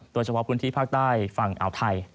โดยเฉพาะพื้นที่ภาคใต้ฝั่งอ่าวไทย